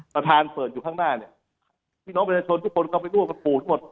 ประธานเปิดอยู่ข้างหน้าเนี่ยพี่น้องไปช้อนทุกคนก็ไปดูกันปลูกทุกมัน